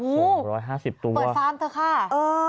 เปิดฟาฟ์นเถอะครับ